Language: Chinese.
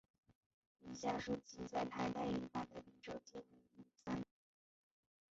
以下书籍在台代理版的译者皆为林武三。